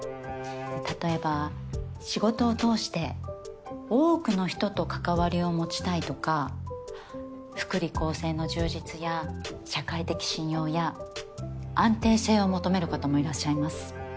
例えば仕事を通して多くの人と関わりを持ちたいとか福利厚生の充実や社会的信用や安定性を求める方もいらっしゃいます。